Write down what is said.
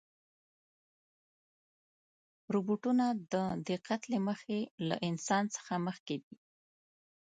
روبوټونه د دقت له مخې له انسان څخه مخکې دي.